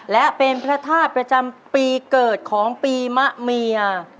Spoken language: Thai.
และเป็นพระธาตุประจำปีเกิดของปีมะเมีย